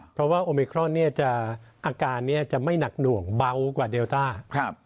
เพราะว่าโอมิครอนอาการนี้จะไม่หนักหน่วงเบากว่าเดลต้า